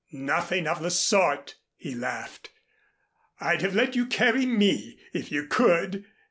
"Nothing of the sort," he laughed. "I'd have let you carry me if you could."